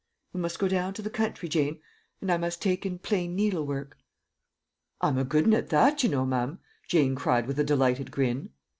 We must go down to the country, Jane, and I must take in plain needle work." "I'm a good un at that, you know, mum," Jane cried with a delighted grin.